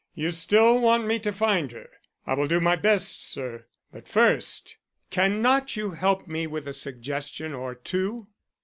You still want me to find her. I will do my best, sir; but first, cannot you help me with a suggestion or two?"